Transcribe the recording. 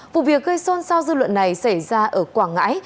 vụ việc gây son sao dư luận này xảy ra ở quảng ngãi